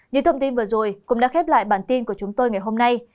những thông tin vừa rồi cũng đã khép lại bản tin của chúng tôi ngày hôm nay